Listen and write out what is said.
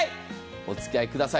お付き合いください。